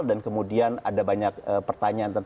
dan kemudian ada banyak pertanyaan tersebut